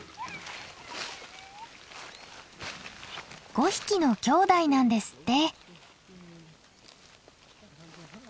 ５匹のきょうだいなんですって。